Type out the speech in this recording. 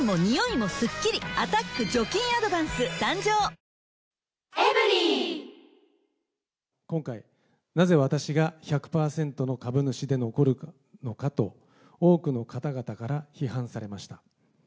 私はそんなメリーからの命令で、今回、なぜ私が１００％の株主で残るのかと、多くの方々から批判されました。